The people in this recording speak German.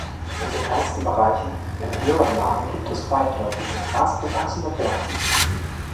In begrenzten Bereichen in höheren Lagen gibt es weitläufige, grasbewachsene Bergwiesen.